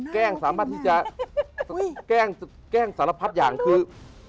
แกล้งสามารถที่จะแกล้งสารพัดอย่างคือ